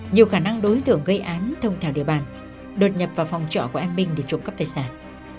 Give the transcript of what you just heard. nhiều khả năng đối tượng gây án thông thảo địa bàn đột nhập vào phòng trọ của em binh để trụ cấp tài sản